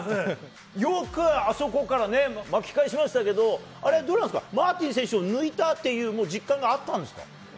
よくあそこから巻き返しましたけど、マーティン選手を抜いたっていう実感があったんですか？